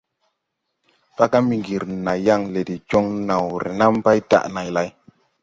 Paga Miŋgiri na yaŋ le de joŋ naw renam bay daʼ này lay.